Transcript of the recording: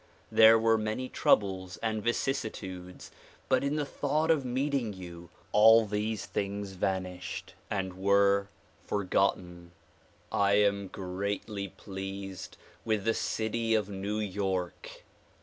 There were many troubles and vicissitudes but in the thought of meeting you, all these things vanished and were forgotten. I am greatly pleased with the city of New York.